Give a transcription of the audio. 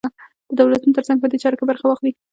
د دولتونو تر څنګ په دې چاره کې برخه واخلي.